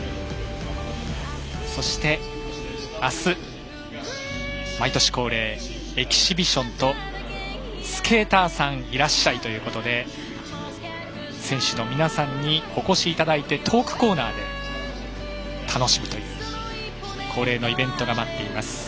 そして明日、毎年恒例エキシビションとスケーターさんいらっしゃいということで選手の皆さんにお越しいただいてトークコーナーで楽しむという恒例のイベントが待っています。